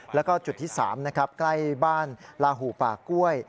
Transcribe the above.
แล้วก็จุดที่๓นะครับใกล้บ้านลาหูป่ากล้วย